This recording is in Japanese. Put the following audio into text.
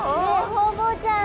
ホウボウちゃん